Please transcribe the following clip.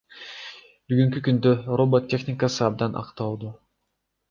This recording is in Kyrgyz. Бүгүнкү күндө робот техникасы абдан актуалдуу.